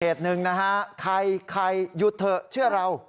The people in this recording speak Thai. เหตุหนึ่งใครใครหยุดเถอะเชื่อเรา